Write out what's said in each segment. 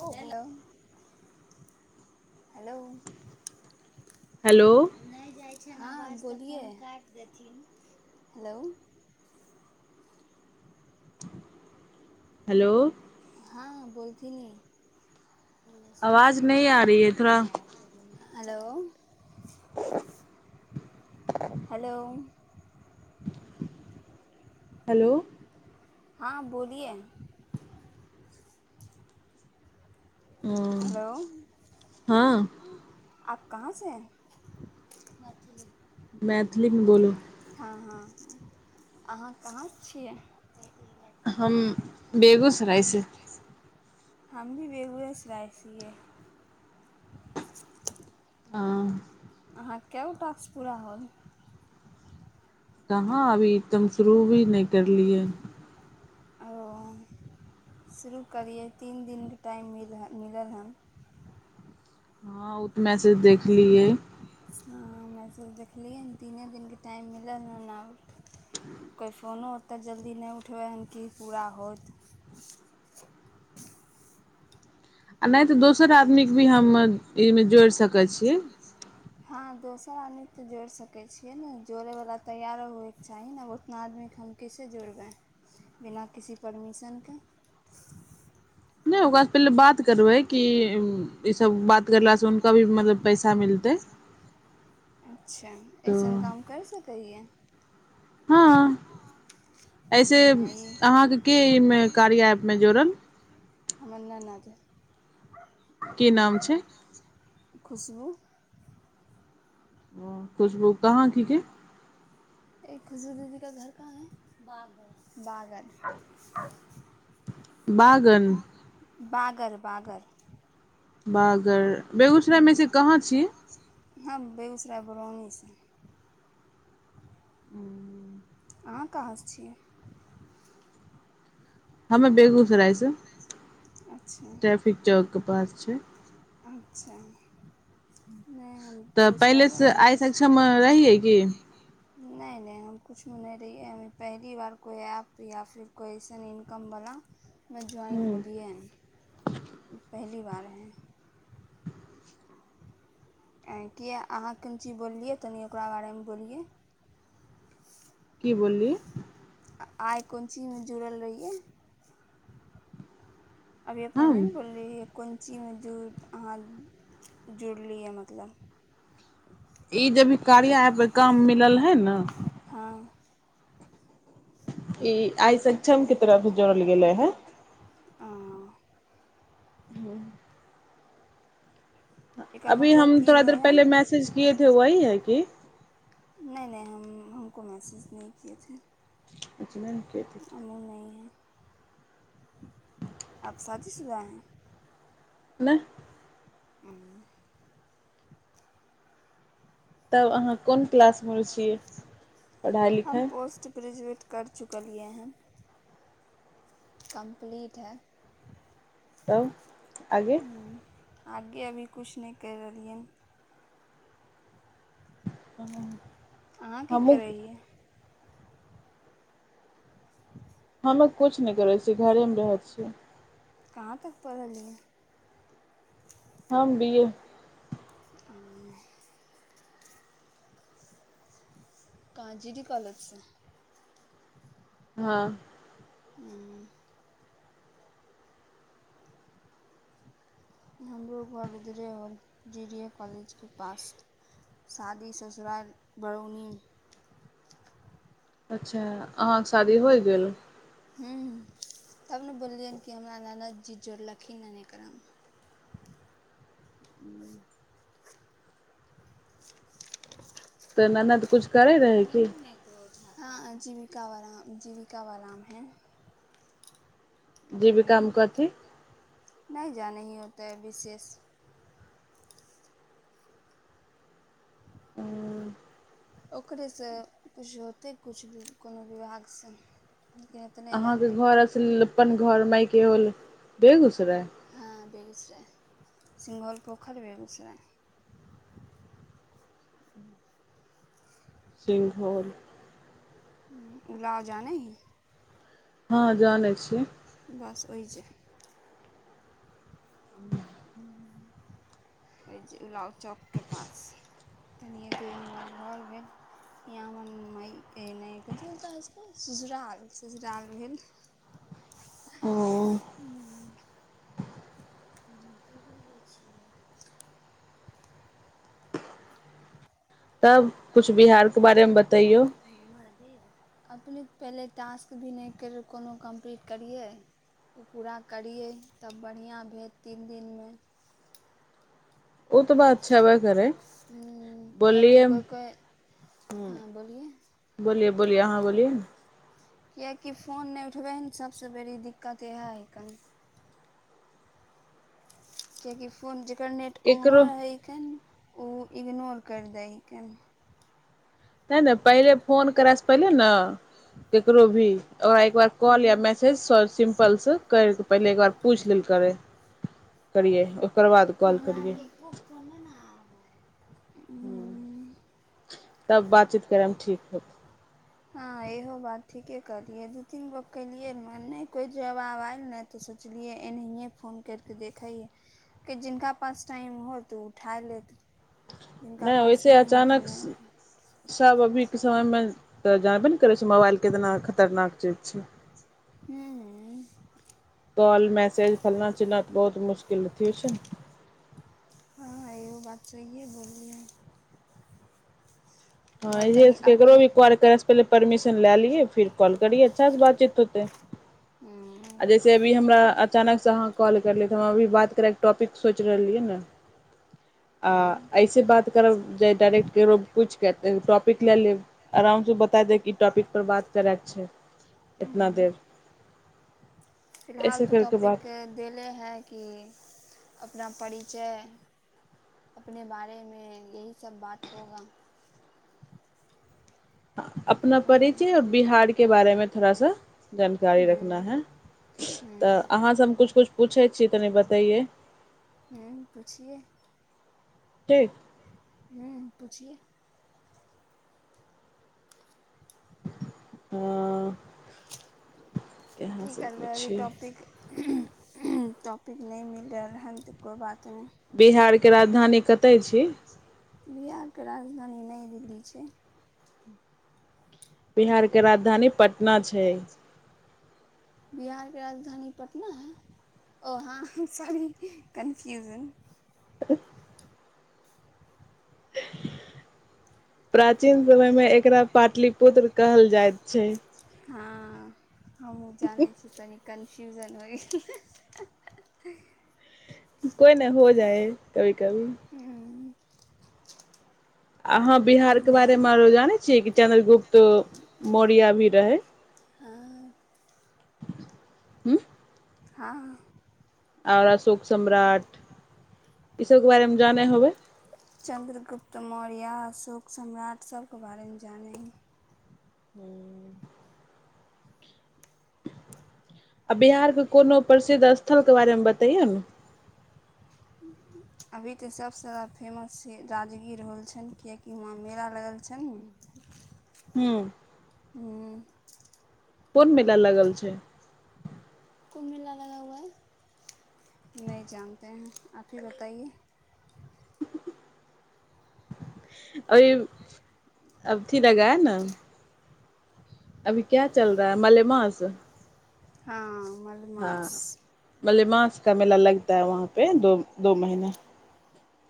हो hello hello नहि। हँ बोलिये हेलो। हेलो। हँ बोथि नी। आवाज नहीं आ रही है थोड़ा [unintelligible] हेलो। हेलो। हेलो। हँ बोलिये। ह हेलो हँ। आप कहाँ से [unintelligible] मैथिलथल मे बोलु। हँ हँ अहाँ कहाँसँ छियै। हम बेगूसराय से। हम भी बेगूस जाइ छिय। आ। अहाँके कए गो टास्क पूरा होल। कहाँ अभी एकदम शुरू भी नहि। करलिय। ओ शुरू करियै तीन दिनके टाइम मिलल हन हँ ओ तऽ मैसेज देखलियै। ह हमेसभ देखलियैन तीने दिनके टाइम मिलल हन आ कोइ फोनो ओतय जल्दी नहि उठबै हन कि पूरा होत। आ नहि तऽ दोसर आदमी केँ भी हम एहिमे जोड़ि सकै छिय। हँ दोसर आदमी के तऽ जोड़ि सकै छियै ने जोड़यवला तैयारो होयके चाही ने उतना आदमी के हम कैसे जोड़बै बिना किसी परमिशन के। नहि होगा पहिले बात। करबै कि। ईसब बात करलासँ हुनका भी मतलब पैसा मिलतै। अच्छा तऽ एइसन काम करि सकै हियै। हँ। एहिसे ई नहि ई अहाँके के एहिमे कार्य ऐप मे जोड़ल। [unintelligible] की नाम छै। खुशबू। ओ खुशबु कहाँ की के एक खुजू दीदी का घर कहाँ है बाप। बागल। बागर बागर। बागर। बेगूसरायमे से कहाँ छी हँ बेगूसराय बरौनीसँ ह। अहाँ कहाँ छियै। हमे बेगूसराय से। अच्छा ट्रैफिक जक। कपास छै। अच्छा। नहि हम तऽ बेगूसराय पहिले से बरौनी आइ सक्षम रहियै कि। नहि नहि हम किुछुमे नहि रहियै हम पहली बार कोइ ऐप या फिर कोइ अइसन इनकमवला। मे ज्वाइन होलियै। ई पहली बार है। किए अहाँ कोन चीज बोललियै तनि ओकरा बारेमे बोलियै। कि बोलइ। आइ कोन चीजमे जुड़ल रहियै। अभी अपने नहि हम ने बोलीै। कोन चीज मे ज अहाँ जुड़लियै मतलब। ई ज भी कार्य काम म। मिलल हइ ने। हँ। ई आइ सक्षम क तरफ जोड़ल गेले हे। ओ। हू। एकर अभी मतलब हम की थोड़ा देर होइ हइ पहिले मैसेज किए। वी है की। नहि नहि हम हमको महसूस नहि किए छैे। [unintelligible] हमूँ नहि है। आप शादी सुधा है। न। ह। तब अहाँ कोन क्लास मे छियै। पढ़ाइ हम लिखाइ पोस्ट ग्रेजुएट। करि चुकलियै है। कम्प्लीट है। ह। आगे। हूँ आगे अभी किछु नहि करि रहलियनि। ह अहाँ की करै हमक। हियै मे कछु नहि करै छियै घरे मे रहै छियै। कहाँ तक पढ़लियै। हम बीए। आ। [unintelligible] हँ। ह [inaudible] हमरो घर उधरे आ जी ी ए कॉलेजके पास शादी ससुराल बरौनी। अच्छा। अहाँके शादी होइ गेल। हूँ तब ने बोललियनि कि हमरा ननद जी जोड़लखिन एने एकरामे। त मै नहि। कुछु करै रहै की। हँ जीविका वाम जीविका वाराम है। जबी काम कथि। जाही होताै विशेष। ओकरेसे किछु होतै किछु भी कोनो विभाग से। अहाँके घर से। अपन घर मके होल बेेगू। रह। हँ बेगूसराय सिंघल पोखरि बेगूसराय। [unintelligible] उलाव जान ही। हँ जानइ छी। बस ओइ जे। ह। ुलाव चौकके पास तनिए दूरमे हमर घर भेल यहाँ हमर मायकेनाके झूल त ससुराल ससुराल भेल। ओ ह। हम की बोलै छियै। तब कुछ बिहार। के बारेमे बतैयौ। अपने पहिले टास्क भी नहि कर कोनो कम्प्लीट करियै ओ पूरा करियै तब बढ़िआँ भेल तीन दिनमे। ओ तऽ बात अच्छा वह करै बोलिए किएकि कोइ कोइ ह हँ बोलिए बोलिए। बोलिए अहाँ बोलिए ने। किएकि फोन नहि उठबै हन सभसँ बेड़ी दिक्कत इएह हइ कन। कियकि फोन जे। इनकरनेट ऑनो ककरो रहैिक। ओ इग्नोर करि दै हिकन। ते ने पहिले फोन करयसँ पहिले ने ककरो भी। ओकरा एक बार कॉल या मैसेज। कल से करिके पहिले एकबार पूछि लेल करै करियै ओ। ओकर बाद कॉल करै। ह्म तब बातचीत करम ठीक होत। हँ इहो बात ठीके कहलियै दू तीन गो केलियै नहि कोइ जवाब आयल ने तऽ सोचलियै एनाहिए फोन करि कऽ देखैै। कि जिनका पास टाइम हो तऽ उठा लेत। जिनका नहि पास ओहिसे होत ओ अचानक नहि उठा सब अभी के समय मे त जाबे ने। क करै छै मोबाइल कितना खतरनाक चीज छै। हूँ कॉल मैसेज फलना चना त बहुत मुश्किल। मुश्किलथ हो छै ने। हँ एगो बात सहिए बोलियै। हँ इह ककरो भी कॉल करयसँ पहिले परमिशन लए लियै फिर कॉल करियै अच्छा से बातचीत होतै अपने आ जैसे अभी हमरा। अचानक से अहाँ कॉल करलियै तऽ हम अभी बात करैके टॉपिक सोचि रहलियै ने। आ ऐसे बात करल जाय डायरेक्ट करब कुछ। टॉपिक लए लेब आरामसँ बता दे ई टॉपिक पर बात करयके छै। एतना देर। फिलहाल ऐसे तऽ करके टॉपिक बात देले है कि। अपना परिचय अपने बारे मे यही सब बात होगा। अपना परिचय आ और बिहार के बारेमे थोड़ा सा जानकारी रखना हम्म है तऽ हम्म अहाँ सब हम किुछ कुछु। पूछै छीय तनि बतैये। हूँ पुछिेय। ठीक। हू पुछिय। हँ। की करबै अभी टॉपिक। टॉपिक नहि मिल रहल त कोइ बात। नहि बिहार के राजधानी कतय छी। बिहार के राजधानी नई दिल्ली छै। बिहार के राजधानी पटना छै। बिहार के राजधानी पटना है वहाँ सारी कन्फ्यूजन। प्राचीन समय मे एकरा पाटलिपुत्र कहल जाइत छै। हँ। हमहूँ जानै छी तनि। कन्फ्यूजन होइ गेल। कोइ नहि हो जाए कभी कभी। गेल अहाँ बिहार के जे बारे मेरो जाने छीयै कि चंन्द्रगुप्त। तऽ मौरिया भी रहै। आ। हू। हँ। आओर अशोक सम्राट ईसभके बारेमे जानै होबै। चन्द्रगुप्त मौर्या अशोक सम्राट सबके बारेमे जानै। हू। आ बिहार के कोनो प्रसिद्ध स्थलके बारेमे बतैयौ ने। अभी तऽ सभसँ ज़्यादा फेमस छै राजगीर हो छनि किएकि हुआाँ मेला लागल छनि ने। ह्म। हू कोन मेेल लागल छै [unintelligible] [unintelligible] [unintelligible] हँ कमर हाँ मास [unintelligible]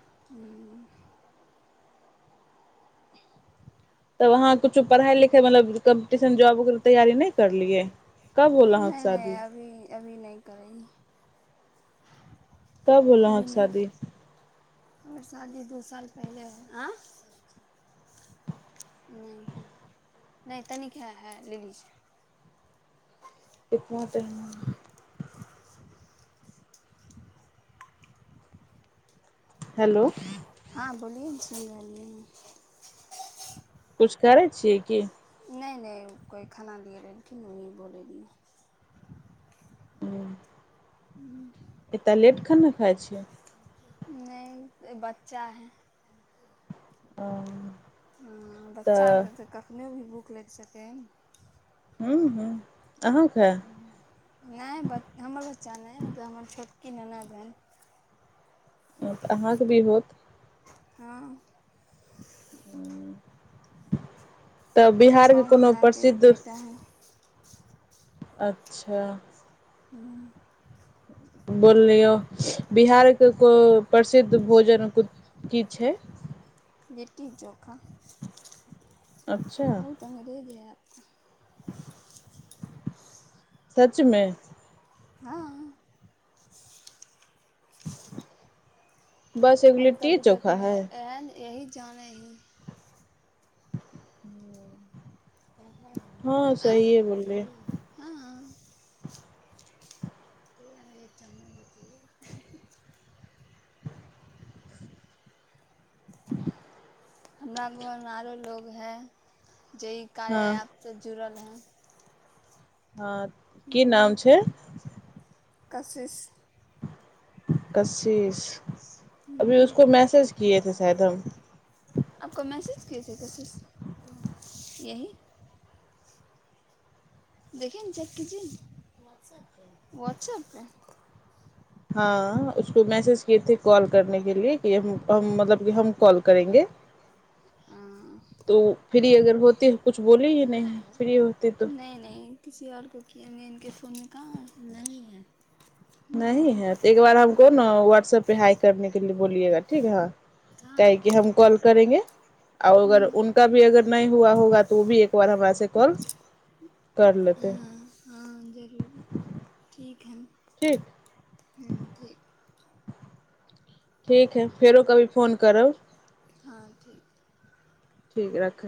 ह तब अहाँ किछो पढ़ाइ लिखाइ मतलब कम्पटिशन जॉबकर तैयारी नहि करलियै कब होोल हं नहि नहि शादी अभी अभी नहि करै कब बोल हक शादी आओर शादी दू साल पहिले आँ नहि नहि तनिक हए लेली एप म त हेलो हँ बोलि छी गेलियै किछु करै छियै की कोै खाना दिै रह किनुनि बोल द हू एतय लेट खन ने खाइ छियै [unintelligible] आ ह बच्चाक के तऽ कखने भी भूख लागि सकै हू हू नहि ब हमर बच्चा नहि मतलब हमर छोट किननागनि ह तऽ अहाँके भी होत हँ हू तऽ छओ बिहारके कोनो महीनाके एगो प्रसिद्ध बेटा हइ अच्छा ह बोललियौ बिहारके कोइ प्रसिद्ध भोजन की छै लिट्टी चोखा अच्छा बहुते [unintelligible] सचमे हँ। बस एगो लिट्टी चोखा है। यएही जानै ही। हँ सही है बोले। च हमरा घर मे आरो लोग है। जे इ कार्य हाँ प से जुड़ल है। ह। हँ की नाम छै। कशिश। किशिश। अभी उसको मैसेज किए थे। [unintelligible] आपक मैसेज कज कैस यही। देखिन चेक कि वट्सऐप प। हँ उसको मैसेज किए थे कॉल करनेके लि कि हम मतलब कि हम कॉल करेंगे। त फिर अगर। होते। कुछ बोल ही नहि फ्री होती तो। नहीं नहीं किसी आओर को किए ने इके फोनमे कहाँ न है। नह नहीं है त एक बार हमको ने व्हाट्सऐप पे हाइक करने के। बोलियगा ठीक हँ। काह कि हम कॉल करेंगे आ अगर है उनका भी अगर नहि। हुआ होगा तऽ ओ भी एक बार हमरा से कॉल कर लेते। हाँ एखन की। ठीक है फेरो कभी फोन करब। हँ ठीक। ठीक रख।